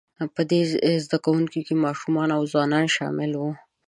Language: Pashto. په دې زده کوونکو کې ماشومان او ځوانان شامل وو،